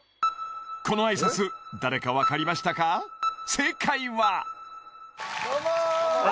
この挨拶誰か分かりましたか正解は？